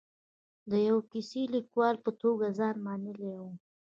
د یوه کیسه لیکوال په توګه ځان منلی و.